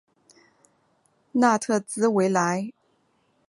纳特兹维莱。